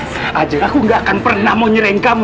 sayang aku enggak akan pernah mau nyereng kamu